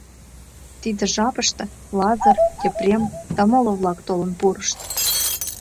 Тиде жапыште Лазыр, Епрем да моло-влак толын пурышт.